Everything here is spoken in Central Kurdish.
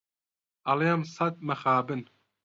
ئەڵێم سەد مخابن